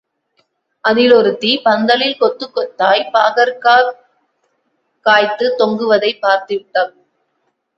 அதில் ஒருத்தி, பந்தலில் கொத்துக் கொத்தாய்ப் பாகற்காப் காய்த்துத் தொங்குவதைப் பார்த்துவிட்டாள்.